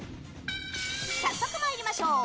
早速参りましょう。